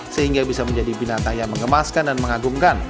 sehingga bisa menjadi binatang yang mengemaskan dan mengagumkan